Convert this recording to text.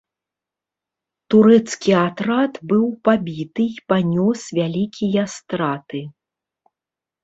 Турэцкі атрад быў пабіты і панёс вялікія страты.